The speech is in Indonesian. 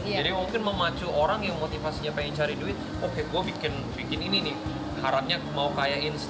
jadi mungkin memacu orang yang motivasinya pengen cari duit oke gue bikin ini nih harapnya mau kaya instan